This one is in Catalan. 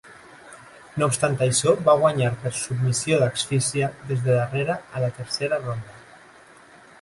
No obstant això, va guanyar per submissió d'asfixia des de darrera a la tercera ronda.